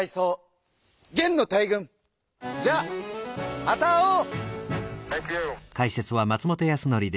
じゃあまた会おう！